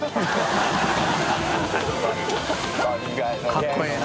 かっこええな。